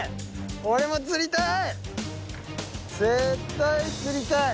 俺も釣りたい！